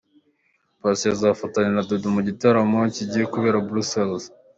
Patient azafatanya na Dudu mu gitaramo kigiye kubera Bruxelles.